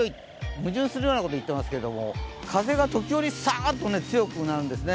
矛盾するようなことを言っていますけど、風が時折サーッと強くなるんですね。